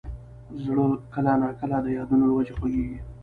زړه کله نا کله د یادونو له وجې خوږېږي.